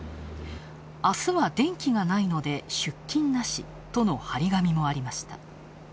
「あすは電気がないので出勤なし」との貼り紙もありました。